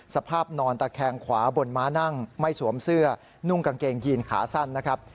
สภาพนอนตะแคงขวาบนม้านั่งไม่สวมเสื้อนุ่งกางเกงยีนขาสั้นนะครับ